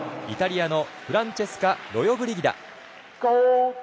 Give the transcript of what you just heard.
イタリアのフランチェスカ・ロヨブリギダ。